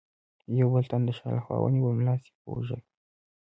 یوه بل تن د شا له خوا ونیولم، لاس یې په اوږه کې.